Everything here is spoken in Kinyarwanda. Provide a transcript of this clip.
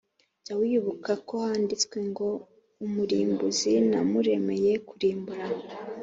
jya wibuka ko handitswe ngo "umurimbuzi namuremeye kurimbura."